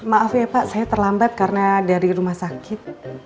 maaf ya pak saya terlambat karena dari rumah sakit